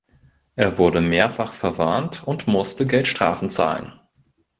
Er wurde mehrfach verwarnt und musste Geldstrafen zahlen.